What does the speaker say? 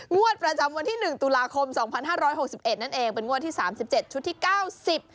งวดประจำวันที่๑ตุลาคม๒๕๖๑นั่นเองเป็นงวดที่๓๗ชุดที่๙๐